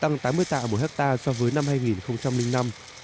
tăng tám mươi tạ một hectare so với năm hai nghìn năm